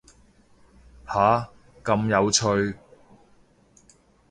下，咁有趣